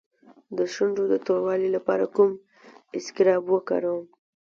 د شونډو د توروالي لپاره کوم اسکراب وکاروم؟